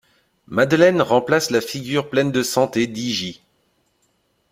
Madeleine remplace la figure pleine de santé d'Hygie.